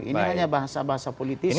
ini hanya bahasa bahasa politisi